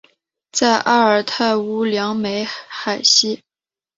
在阿尔泰乌梁海西北。